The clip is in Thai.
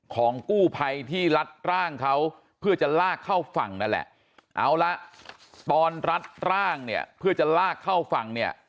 ของกู้ภัยที่รัดร่างเขาเพื่อจะลากเข้าฝั่งนั่นแหละเอาละตอนรัดร่างเนี่ยเพื่อจะลากเข้าฝั่งเนี่ย